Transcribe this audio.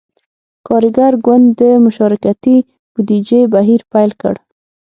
کارګر ګوند د »مشارکتي بودیجې« بهیر پیل کړ.